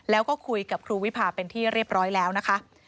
แล้วก็คุยกับครูวิพาเป็นที่เรียบร้อยแล้วนะคะ